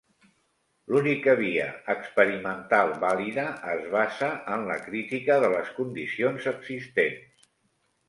L'única via experimental vàlida es basa en la crítica de les condicions existents.